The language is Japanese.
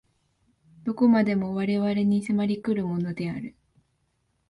何処までも我々に迫り来るものである。